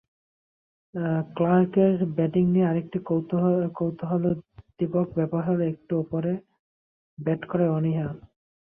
ক্লার্কের batting নিয়ে আরেকটি কৌতূহলোদ্দীপক ব্যাপার হলো, একটু ওপরে ব্যাট করার অনীহা।